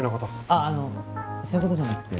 あっあのそういうことじゃなくて。